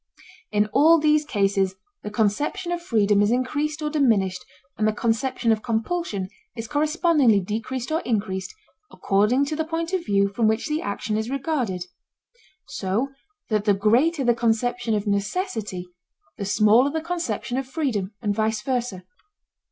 In all these cases the conception of freedom is increased or diminished and the conception of compulsion is correspondingly decreased or increased, according to the point of view from which the action is regarded. So that the greater the conception of necessity the smaller the conception of freedom and vice versa.